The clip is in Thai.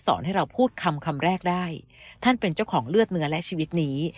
ให้เราพูดคำคำแรกได้ท่านเป็นเจ้าของเลือดเนื้อและชีวิตนี้